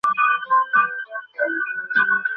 নিসার আলি মুনির এবং বিনুর বিয়ের ছবিটি দিলেন।